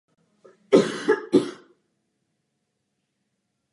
Chybí tu citelně a vždycky bude.